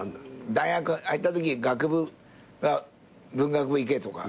大学入ったとき学部文学部行けとか。